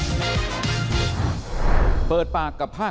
ปกติสวรรค์มันไม่ค่อยมีน้ำหนักโน่น